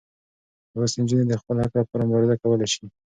لوستې نجونې د خپل حق لپاره مبارزه کولی شي.